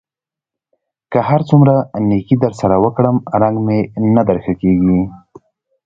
که هر څومره نېکي در سره وکړم؛ رنګ مې نه در ښه کېږي.